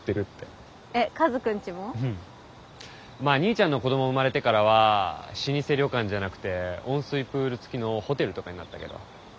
まあ兄ちゃんの子ども生まれてからは老舗旅館じゃなくて温水プールつきのホテルとかになったけど。